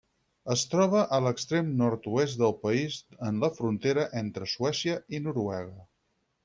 Es troba a l'extrem nord-oest del país en la frontera entre Suècia i Noruega.